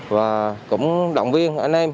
và cũng động viên anh em